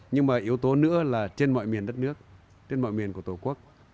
nhưng mà yếu tố nữa là trên mọi miền đất nước trên mọi miền của tổ quốc